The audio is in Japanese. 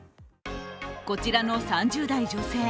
こちらの３０代女性。